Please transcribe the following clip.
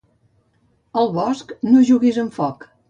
Al bosc no juguis amb foc.